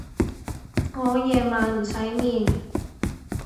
我夜晚唔使面